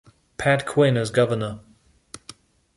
Pat Quinn as governor.